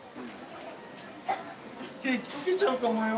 「ケーキとけちゃうかもよ」。